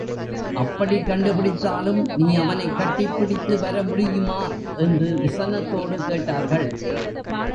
அப்படிக் கண்டுபிடித்தாலும் நீ அவனைக் கட்டிப் பிடித்துவர முடியுமா? என்று விசனத்தோடு கேட்டார்கள்.